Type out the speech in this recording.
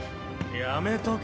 やめとけ。